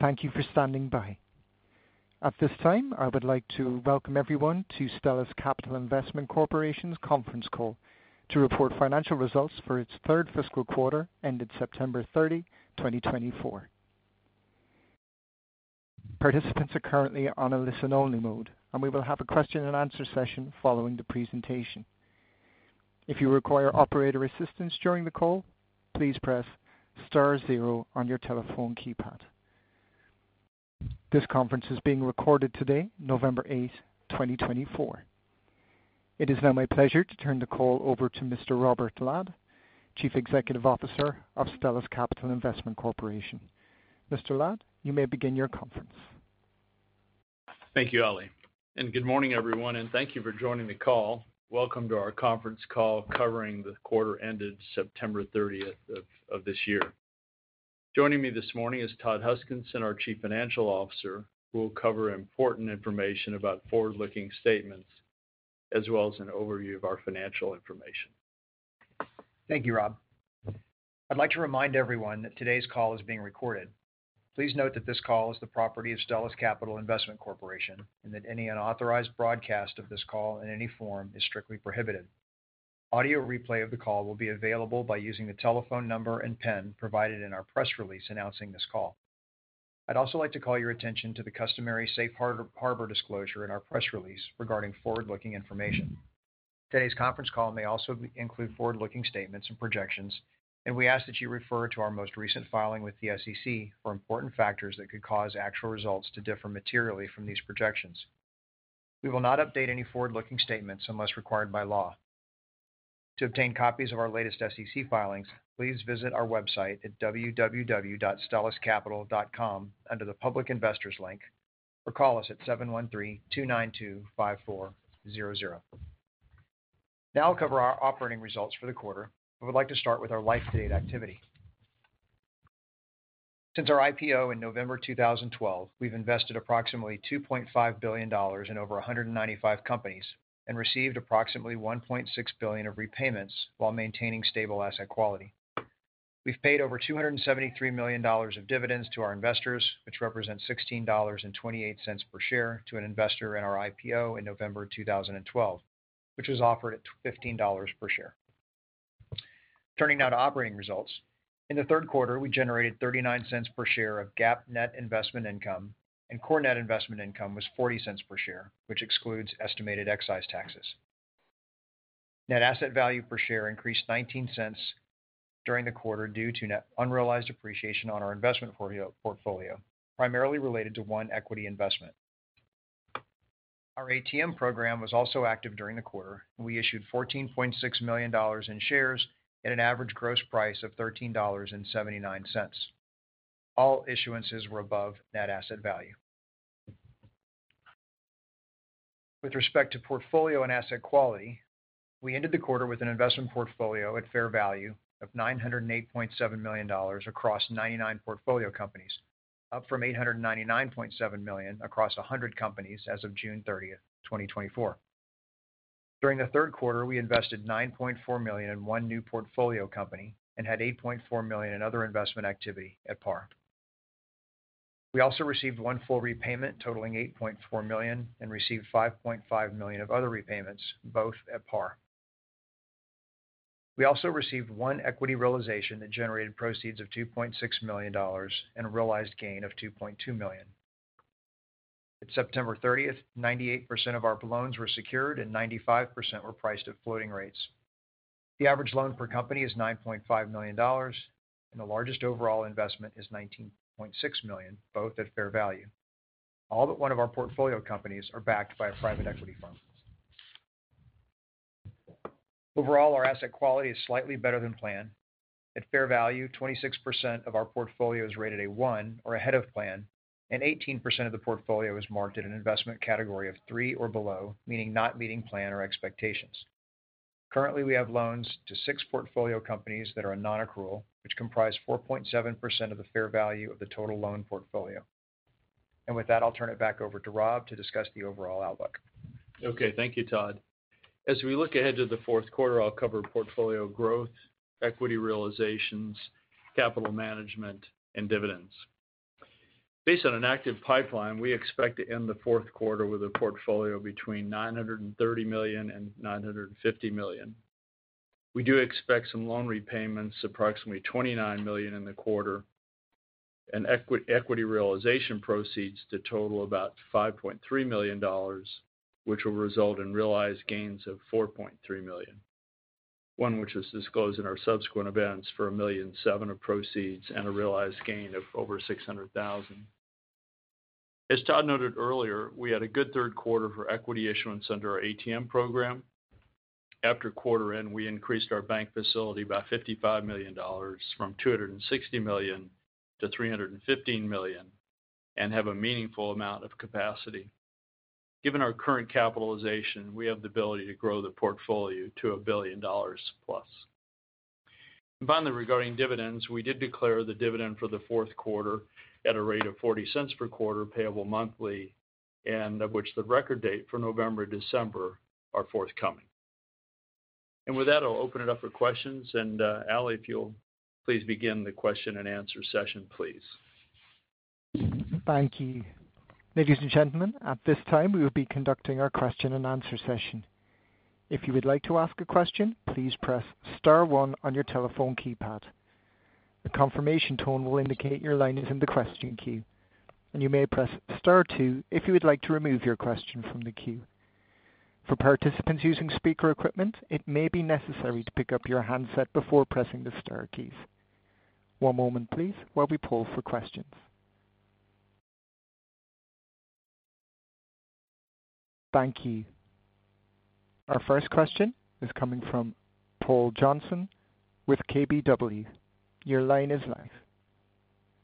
Thank you for standing by. At this time, I would like to welcome everyone to Stellus Capital Investment Corporation's Conference Call to report financial results for its third fiscal quarter ended September 30, 2024. Participants are currently on a listen-only mode, and we will have a question-and-answer session following the presentation. If you require operator assistance during the call, please press star zero on your telephone keypad. This conference is being recorded today, November 8th, 2024. It is now my pleasure to turn the call over to Mr. Robert Ladd, Chief Executive Officer of Stellus Capital Investment Corporation. Mr. Ladd, you may begin your conference. Thank you, Ali. And good morning, everyone, and thank you for joining the call. Welcome to our conference call covering the quarter ended September 30th of this year. Joining me this morning is Todd Huskinson, our Chief Financial Officer, who will cover important information about forward-looking statements as well as an overview of our financial information. Thank you, Rob. I'd like to remind everyone that today's call is being recorded. Please note that this call is the property of Stellus Capital Investment Corporation and that any unauthorized broadcast of this call in any form is strictly prohibited. Audio replay of the call will be available by using the telephone number and PIN provided in our press release announcing this call. I'd also like to call your attention to the customary safe harbor disclosure in our press release regarding forward-looking information. Today's conference call may also include forward-looking statements and projections, and we ask that you refer to our most recent filing with the SEC for important factors that could cause actual results to differ materially from these projections. We will not update any forward-looking statements unless required by law. To obtain copies of our latest SEC filings, please visit our website at www.stelluscapital.com under the public investors link or call us at 713-292-5400. Now I'll cover our operating results for the quarter, but I would like to start with our life-to-date activity. Since our IPO in November 2012, we've invested approximately $2.5 billion in over 195 companies and received approximately $1.6 billion of repayments while maintaining stable asset quality. We've paid over $273 million of dividends to our investors, which represents $16.28 per share to an investor in our IPO in November 2012, which was offered at $15 per share. Turning now to operating results, in the third quarter, we generated $0.39 per share of GAAP net investment income, and core net investment income was $0.40 per share, which excludes estimated excise taxes. Net asset value per share increased $0.19 during the quarter due to unrealized appreciation on our investment portfolio, primarily related to one equity investment. Our ATM program was also active during the quarter, and we issued $14.6 million in shares at an average gross price of $13.79. All issuances were above net asset value. With respect to portfolio and asset quality, we ended the quarter with an investment portfolio at fair value of $908.7 million across 99 portfolio companies, up from $899.7 million across 100 companies as of June 30th, 2024. During the third quarter, we invested $9.4 million in one new portfolio company and had $8.4 million in other investment activity at par. We also received one full repayment totaling $8.4 million and received $5.5 million of other repayments, both at par. We also received one equity realization that generated proceeds of $2.6 million and a realized gain of $2.2 million. At September 30th, 98% of our loans were secured and 95% were priced at floating rates. The average loan per company is $9.5 million, and the largest overall investment is $19.6 million, both at fair value. All but one of our portfolio companies are backed by a private equity firm. Overall, our asset quality is slightly better than planned. At fair value, 26% of our portfolio is rated a one or ahead of plan, and 18% of the portfolio is marked in an investment category of three or below, meaning not meeting plan or expectations. Currently, we have loans to six portfolio companies that are non-accrual, which comprise 4.7% of the fair value of the total loan portfolio. With that, I'll turn it back over to Rob to discuss the overall outlook. Okay. Thank you, Todd. As we look ahead to the fourth quarter, I'll cover portfolio growth, equity realizations, capital management, and dividends. Based on an active pipeline, we expect to end the fourth quarter with a portfolio between $930 million and $950 million. We do expect some loan repayments, approximately $29 million in the quarter, and equity realization proceeds to total about $5.3 million, which will result in realized gains of $4.3 million, one which is disclosed in our subsequent events for $1.07 million of proceeds and a realized gain of over $600,000. As Todd noted earlier, we had a good third quarter for equity issuance under our ATM program. After quarter end, we increased our bank facility by $55 million from $260 to 315 millioon and have a meaningful amount of capacity. Given our current capitalization, we have the ability to grow the portfolio to $1 billion plus, and finally, regarding dividends, we did declare the dividend for the fourth quarter at a rate of $0.40 per quarter payable monthly, and of which the record date for November and December are forthcoming, and with that, I'll open it up for questions, and Ali, if you'll please begin the question and answer session, please. Thank you. Ladies and gentlemen, at this time, we will be conducting our question and answer session. If you would like to ask a question, please press star one on your telephone keypad. The confirmation tone will indicate your line is in the question queue, and you may press star two if you would like to remove your question from the queue. For participants using speaker equipment, it may be necessary to pick up your handset before pressing the star keys. One moment, please, while we pull for questions. Thank you. Our first question is coming from Paul Johnson with KBW. Your line is live.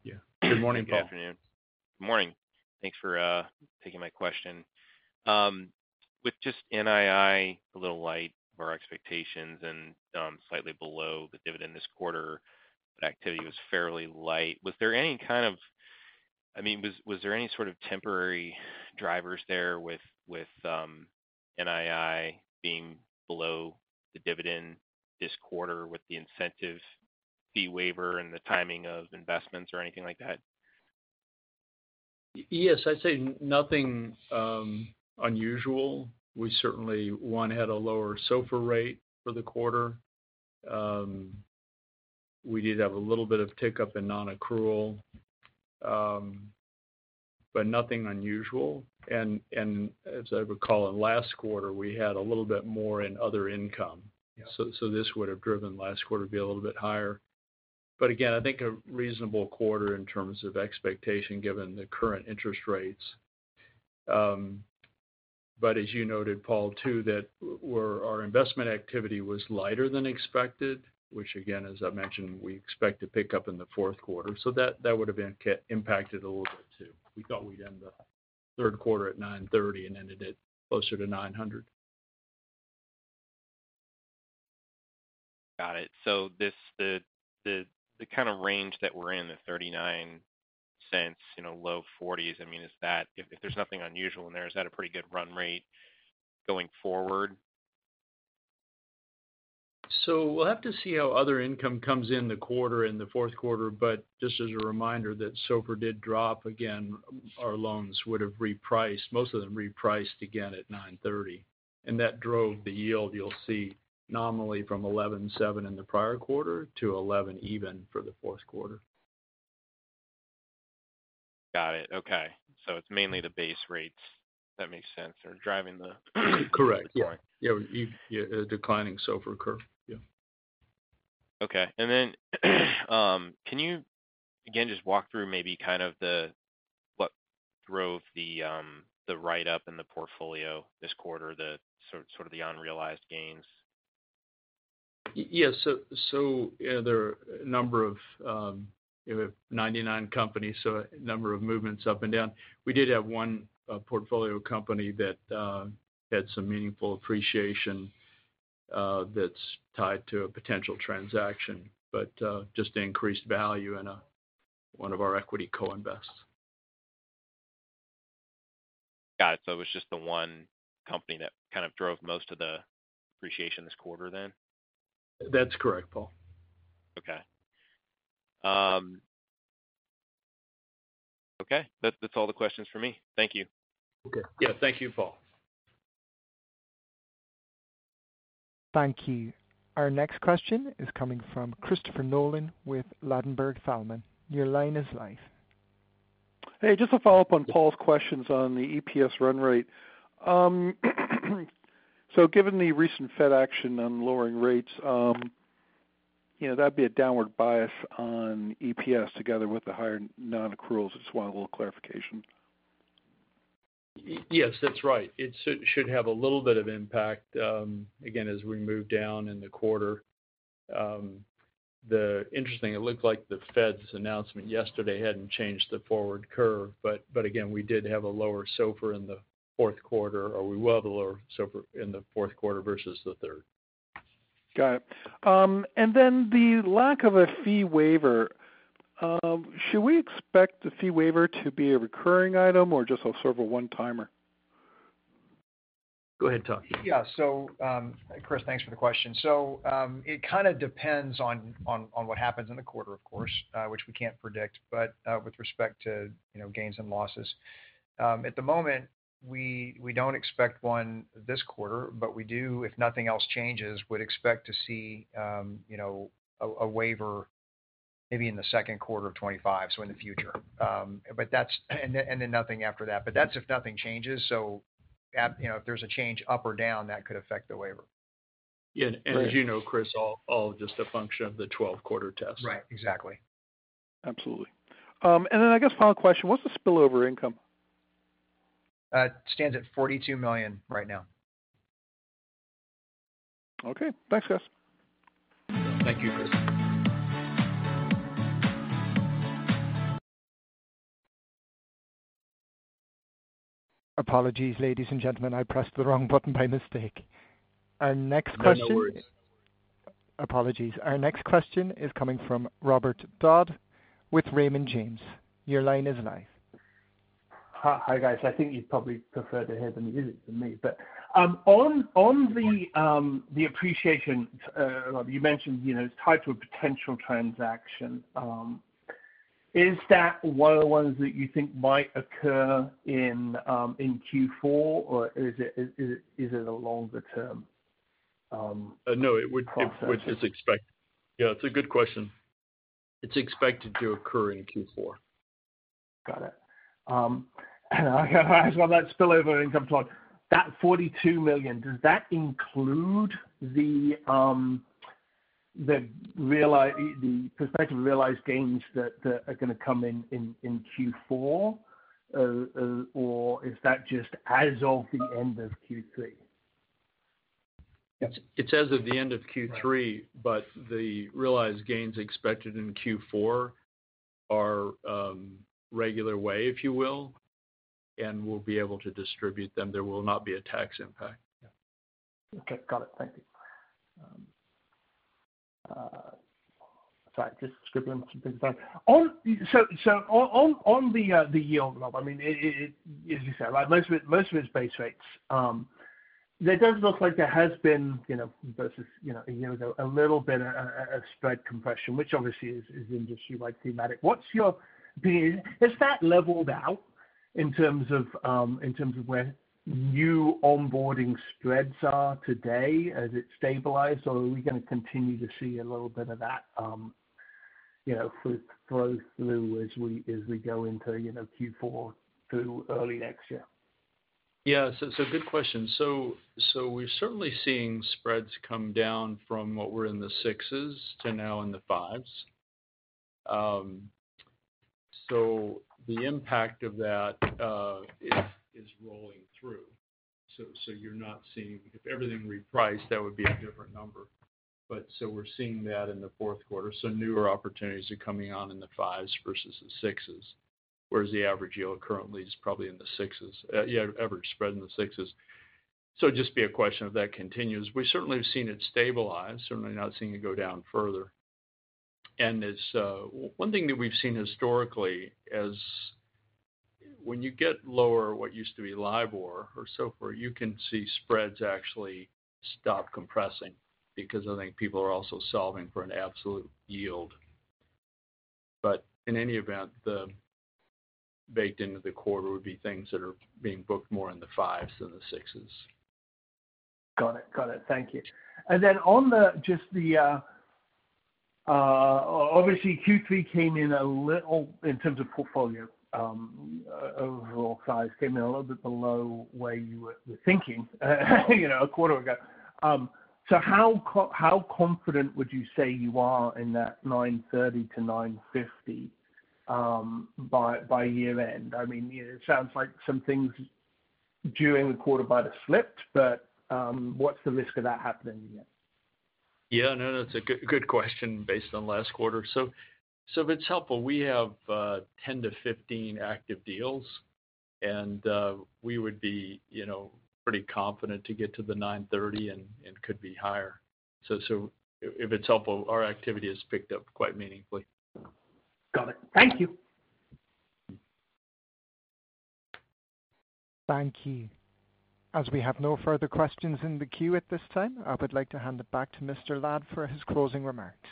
Yeah. Good morning, Paul. Good afternoon. Good morning. Thanks for taking my question. With just NII, a little light of our expectations and slightly below the dividend this quarter, the activity was fairly light. Was there any kind of, I mean, was there any sort of temporary drivers there with NII being below the dividend this quarter with the incentive fee waiver and the timing of investments or anything like that? Yes. I'd say nothing unusual. We certainly had a lower SOFR rate for the quarter. We did have a little bit of tick up in non-accrual, but nothing unusual. And as I recall, in last quarter, we had a little bit more in other income. So this would have driven last quarter to be a little bit higher. But again, I think a reasonable quarter in terms of expectation given the current interest rates. But as you noted, Paul, too, that our investment activity was lighter than expected, which again, as I mentioned, we expect to pick up in the fourth quarter. So that would have been impacted a little bit too. We thought we'd end the third quarter at 930 and ended it closer to 900. Got it. So the kind of range that we're in, the $0.39, low $0.40s, I mean, if there's nothing unusual in there, is that a pretty good run rate going forward? So we'll have to see how other income comes in the quarter and the fourth quarter. But just as a reminder that SOFR did drop, again, our loans would have repriced, most of them repriced again at 930. And that drove the yield you'll see nominally from 11.7 in the prior quarter to 11 even for the fourth quarter. Got it. Okay. So it's mainly the base rates that make sense are driving the. Correct. Yeah. Declining SOFR curve. Yeah. Okay. And then can you again just walk through maybe kind of what drove the write-up in the portfolio this quarter, sort of the unrealized gains? Yes. So there are a number of 99 companies, so a number of movements up and down. We did have one portfolio company that had some meaningful appreciation that's tied to a potential transaction, but just increased value in one of our equity co-investments. Got it. So it was just the one company that kind of drove most of the appreciation this quarter then? That's correct, Paul. Okay. Okay. That's all the questions for me. Thank you. Okay. Yeah. Thank you, Paul. Thank you. Our next question is coming from Christopher Nolan with Ladenburg Thalmann. Your line is live. Hey, just a follow-up on Paul's questions on the EPS run rate. So given the recent Fed action on lowering rates, that'd be a downward bias on EPS together with the higher non-accruals. Just want a little clarification. Yes, that's right. It should have a little bit of impact. Again, as we move down in the quarter, interestingly it looked like the Fed's announcement yesterday hadn't changed the forward curve. But again, we did have a lower SOFR in the fourth quarter, or we will have a lower SOFR in the fourth quarter versus the third. Got it. And then the lack of a fee waiver, should we expect the fee waiver to be a recurring item or just serve as a one-timer? Go ahead, Todd. Yeah. So Chris, thanks for the question. So it kind of depends on what happens in the quarter, of course, which we can't predict. But with respect to gains and losses, at the moment, we don't expect one this quarter, but we do, if nothing else changes, would expect to see a waiver maybe in the second quarter of 2025, so in the future. And then nothing after that. But that's if nothing changes. So if there's a change up or down, that could affect the waiver. Yeah, and as you know, Chris, all just a function of the 12-quarter test. Right. Exactly. Absolutely. And then I guess final question, what's the spillover income? It stands at $42 million right now. Okay. Thanks, guys. Thank you, Chris. Apologies, ladies and gentlemen. I pressed the wrong button by mistake. Our next question. No worries. Apologies. Our next question is coming from Robert Dodd with Raymond James. Your line is live. Hi, guys. I think you'd probably prefer to hear them visit from me. But on the appreciation, you mentioned it's tied to a potential transaction. Is that one of the ones that you think might occur in Q4, or is it a longer-term? No, it would. It's expected. Yeah. It's a good question. It's expected to occur in Q4. Got it. I just got that spillover income talk. That $42 million, does that include the prospective of realized gains that are going to come in Q4, or is that just as of the end of Q3? It's as of the end of Q3, but the realized gains expected in Q4 are regular way, if you will, and we'll be able to distribute them. There will not be a tax impact. Okay. Got it. Thank you. Sorry, just scribbling some things down. So on the yield level, I mean, as you said, most of it's base rates. There does look like there has been, versus a year ago, a little bit of spread compression, which obviously is industry-wide thematic. What's your opinion? Has that leveled out in terms of where new onboarding spreads are today as it's stabilized, or are we going to continue to see a little bit of that flow through as we go into Q4 through early next year? Yeah. Good question. We're certainly seeing spreads come down from what were in the sixes to now in the fives. The impact of that is rolling through. You're not seeing if everything repriced, that would be a different number. We're seeing that in the fourth quarter. Newer opportunities are coming on in the fives versus the sixes, whereas the average yield currently is probably in the sixes, average spread in the sixes. It'd just be a question if that continues. We certainly have seen it stabilize, certainly not seeing it go down further. One thing that we've seen historically is when you get lower what used to be LIBOR or SOFR, you can see spreads actually stop compressing because I think people are also solving for an absolute yield. But in any event, the baked into the quarter would be things that are being booked more in the fives than the sixes. Got it. Got it. Thank you. And then, on just the obviously, Q3 came in a little in terms of portfolio. Overall size came in a little bit below where you were thinking a quarter ago. So how confident would you say you are in that 930 to 950 by year-end? I mean, it sounds like some things during the quarter might have slipped, but what's the risk of that happening again? Yeah. No, that's a good question based on last quarter. So if it's helpful, we have 10 to 15 active deals, and we would be pretty confident to get to the $9.30 and could be higher. So if it's helpful, our activity has picked up quite meaningfully. Got it. Thank you. Thank you. As we have no further questions in the queue at this time, I would like to hand it back to Mr. Ladd for his closing remarks.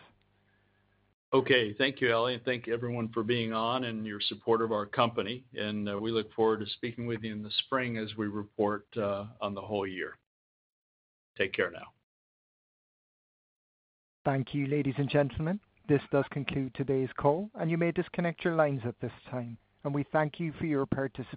Okay. Thank you, Ali. And thank everyone for being on and your support of our company. And we look forward to speaking with you in the spring as we report on the whole year. Take care now. Thank you, ladies and gentlemen. This does conclude today's call, and you may disconnect your lines at this time, and we thank you for your participation.